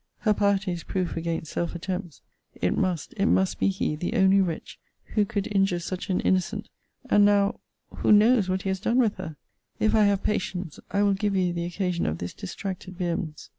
Her piety is proof against self attempts. It must, it must be he, the only wretch, who could injure such an innocent; and now who knows what he has done with her! If I have patience, I will give you the occasion of this distracted vehemence.